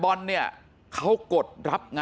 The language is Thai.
มันต้องการมาหาเรื่องมันจะมาแทงนะ